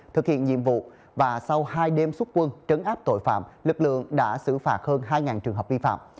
thực hiện nhiệm vụ và sau hai đêm xuất quân trấn áp tội phạm lực lượng đã xử phạt hơn hai trường hợp vi phạm